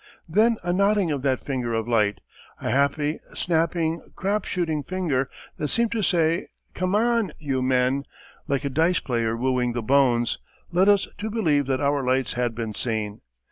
Then a nodding of that finger of light a happy, snapping, crap shooting finger that seemed to say: "Come on, you men," like a dice player wooing the bones led us to believe that our lights had been seen.